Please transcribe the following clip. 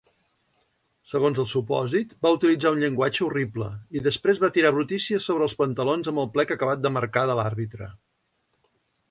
Segons el supòsit, va utilitzar un llenguatge "horrible", i després va tirar brutícia sobre els "pantalons amb el plec acabat de marcar" de l'arbitre.